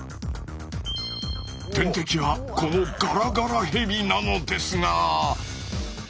天敵はこのガラガラヘビなのですが。